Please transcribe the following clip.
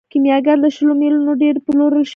کیمیاګر له شلو میلیونو ډیر پلورل شوی دی.